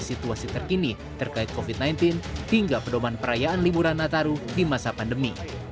situasi terkini terkait covid sembilan belas hingga pedoman perayaan liburan nataru di masa pandemi